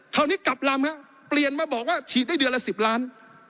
คราวนี้กลับลำครับเปลี่ยนมาบอกว่าฉีดได้เดือนละ๑๐ล้าน